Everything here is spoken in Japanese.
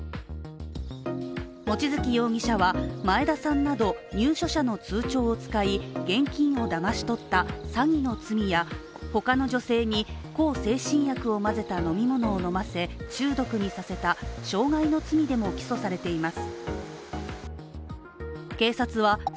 望月容疑者は、前田さんなど入所者の通帳を使い現金をだまし取った詐欺の罪や他の女性に向精神薬を混ぜた飲み物を飲ませ中毒にさせた傷害の罪でも起訴されています。